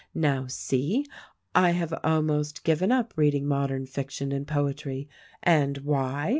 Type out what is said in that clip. Now see ! I have almost given up reading modern fiction and poetry. And why?